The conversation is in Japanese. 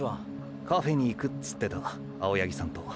カフェにいくつってた青八木さんと。